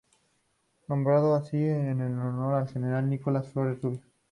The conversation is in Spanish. Nombrado así en honor al general Nicolás Flores Rubio.